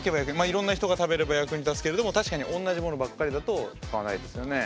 いろんな人が食べれば役に立つけれども確かに同じものばっかりだと使わないですよね。